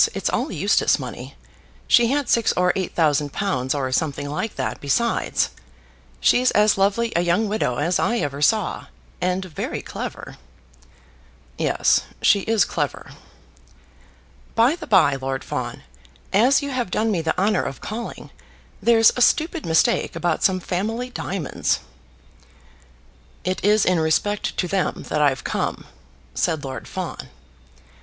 It's all Eustace money. She had six or eight thousand pounds, or something like that, besides. She's as lovely a young widow as I ever saw, and very clever." "Yes; she is clever." "By the bye, Lord Fawn, as you have done me the honour of calling, there's a stupid mistake about some family diamonds." "It is in respect to them that I've come," said Lord Fawn.